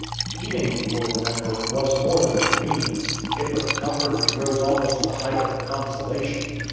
Eating, you will remember, was more than a convenience; it was a comfort which rose almost to the height of a consolation.